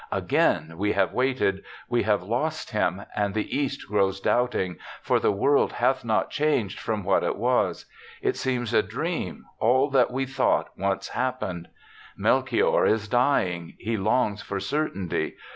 Again we have waited. We have lost him, and the East grows doubting; for the world hath not changed from what it was. It seems a dream — all that we thought once happened. Melchior is dying; he longs for certainty.